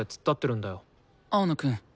青野くん。